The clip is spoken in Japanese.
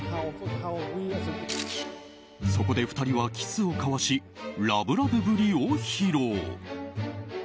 そこで２人はキスを交わしラブラブぶりを披露。